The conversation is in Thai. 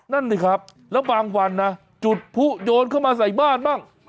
นั่นสิครับแล้วบางวันนะจุดผู้โยนเข้ามาใส่บ้านบ้าง